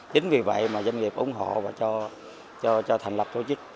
chính vì vậy mà doanh nghiệp ủng hộ và cho thành lập tổ chức